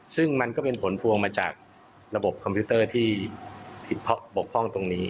ซึ่งมันก็เป็นผลพวงมาจากระบบคอมพิวเตอร์ที่บกพร่องตรงนี้